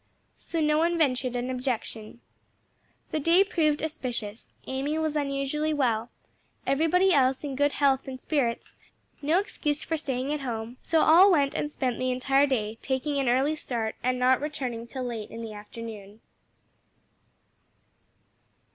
So no one ventured an objection. The day proved auspicious. Amy was unusually well, everybody else in good health and spirits, no excuse for staying at home: so all went and spent the entire day, taking an early start and not returning till late in the afternoon.